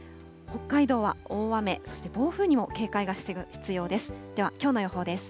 北海道は大雨、そして、暴風にも警戒が必要です。